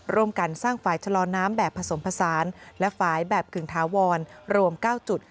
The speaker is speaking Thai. ร่วมกันสร้างฝ่ายชะลอน้ำแบบผสมผสานและฝ่ายแบบกึ่งถาวรรวม๙จุด